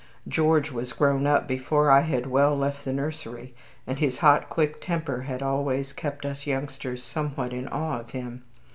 George was grown up before I had well left the nursery, and his hot, quick temper had always kept us youngsters somewhat in awe of him.